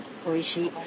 おいしい。